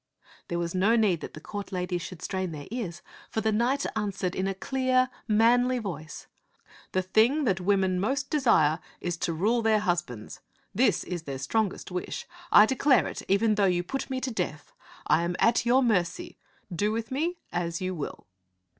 There was no need that the court ladies should strain their ears, for the knight answered in a clear, manly voice, " The thing that women most desire is to rule their husbands. This is their strongest wish. I declare it even though you put me to death. I am at your mercy. Do with me as you will."